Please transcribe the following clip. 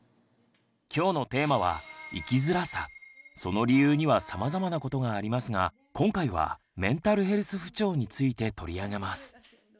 今日のテーマはその理由にはさまざまなことがありますが今回は「メンタルヘルス不調」について取り上げます。